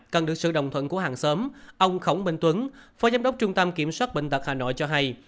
cần được sự đồng thuận của hàng xóm ông khổng minh tuấn phó giám đốc trung tâm kiểm soát bệnh tật hà nội cho hay